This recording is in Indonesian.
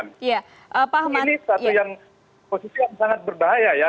ini satu yang posisi yang sangat berbahaya ya